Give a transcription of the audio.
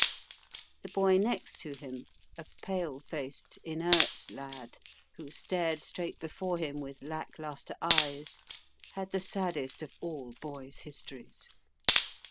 The boy next to him, a pale faced, inert lad, who stared straight before him with lack lustre eyes, had the saddest of all boys' histories.